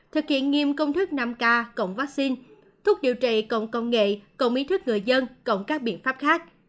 thực hiện nghiêm công thức năm k cộng vaccine thuốc điều trị cộng công nghệ cộng ý thức người dân cộng các biện pháp khác